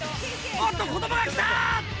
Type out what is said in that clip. おっと子どもが来た！